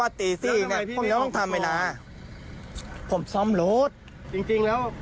ผมยังต้องทำเวลาผมซ่อมรถจริงจริงแล้ว